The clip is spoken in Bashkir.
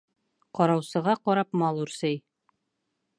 Ҡараусыға ҡарап мал үрсей.